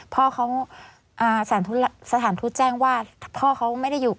พ่อเขาสถานทูตแจ้งว่าพ่อเขาไม่ได้อยู่